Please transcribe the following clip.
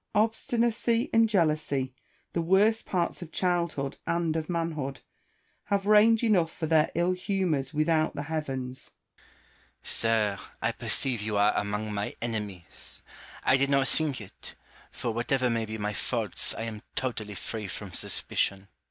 Obstinacy and jealousy, the worst parts of childhood and of manhood, have range enough for their ill humours without the heavens. liousseau. Sir, I perceive you are among my enemies. I ROUSSEAU AND MALESHERBES. 249 did not think it; for, whatever may be my faults, I am totally free from suspicion.